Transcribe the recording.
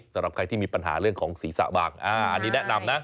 สำหรับใครที่มีปัญหาเรื่องของศีรษะบางอันนี้แนะนำนะ